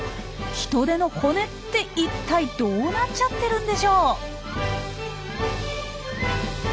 ヒトデの骨っていったいどうなっちゃってるんでしょう？